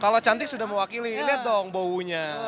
kalau cantik sudah mewakili lihat dong bow nya